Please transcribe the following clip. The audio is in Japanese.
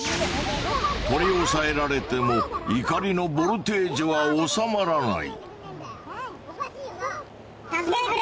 取り押さえられても怒りのボルテージは収まらない。